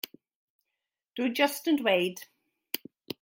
Dwi jyst yn dweud.